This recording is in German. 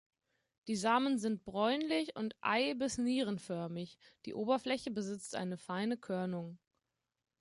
Die Samen sind bräunlich und ei- bis nierenförmig, die Oberfläche besitzt eine feine Körnung.